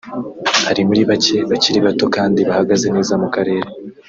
ari muri bake bakiri bato kandi bahagaze neza mu karere